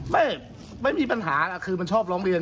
ไม่ไม่มีปัญหาคือมันชอบร้องเรียน